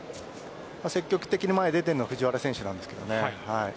積極的に前に出ているのは藤原選手なんですけどね。